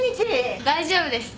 大丈夫です。